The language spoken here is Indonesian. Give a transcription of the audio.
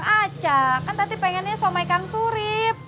bisa aja kan tadi pengennya so my kakak surip